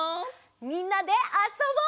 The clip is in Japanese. みんなであそぼう！